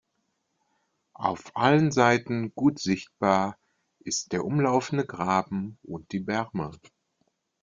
Auf allen Seiten gut sichtbar ist der umlaufende Graben und die Berme.